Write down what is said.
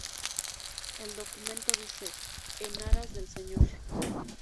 El documento dice: "En aras del señor.